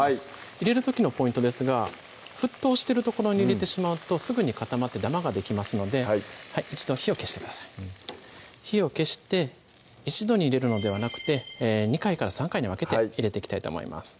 入れる時のポイントですが沸騰してるところに入れてしまうとすぐに固まってダマができますので一度火を消してください火を消して一度に入れるのではなくて２回３回に分けて入れていきたいと思います